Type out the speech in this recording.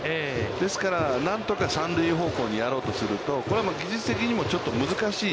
ですから、何とか三塁方向にやろうとすると、これは技術的にもちょっと難しい。